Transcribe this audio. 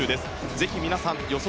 ぜひ皆さん予想